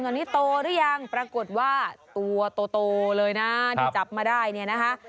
ตอนนี้โตหรือยังปรากฏว่าตัวโตเลยนะที่จับมาได้เนี่ยนะคะ